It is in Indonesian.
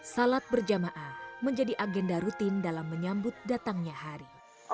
salat berjamaah menjadi agenda rutin dalam menyambut datangnya hari